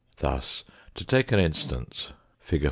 Thus, to take an instance, fig.